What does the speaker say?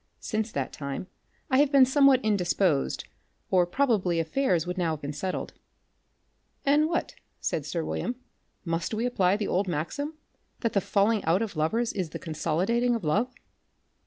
Since that time I have been somewhat indisposed, or probably affairs would now have been settled." "And what," said sir William, "must we apply the old maxim, that the falling out of lovers is the consolidating of love?"